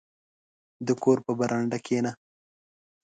• د کور په برنډه کښېنه.